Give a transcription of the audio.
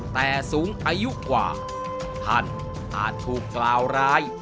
แต่สูงอายุกว่าท่านอาจถูกกล่าวร้าย